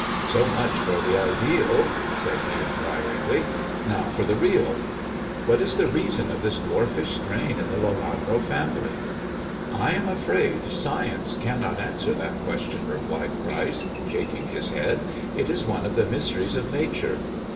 " So much for the ideal," said he inquiringly ;*' now for the reaL What is the reason of this dwarfish strain in the Lelanro family 1 " "I am afraid science cannot answer that question," replied Pryce, shaking his head ;" it is one of the mysteries of Nature.